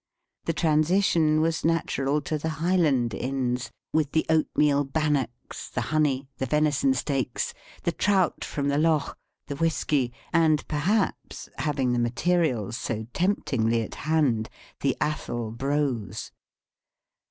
The transition was natural to the Highland Inns, with the oatmeal bannocks, the honey, the venison steaks, the trout from the loch, the whisky, and perhaps (having the materials so temptingly at hand) the Athol brose.